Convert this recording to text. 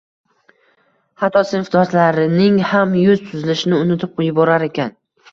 hatto sinfdoshlarining ham yuz tuzilishini unutib yuborar ekan.